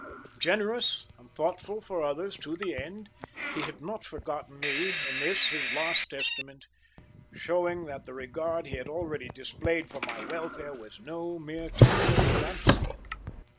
Generous and thoughtful for others to the end, he had not forgotten me in this his last testament, showing that the regard he had already displayed for my welfare was no mere temporary fancy!